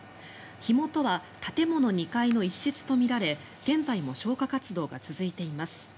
火元は建物２階の一室とみられ現在も消火活動が続いています。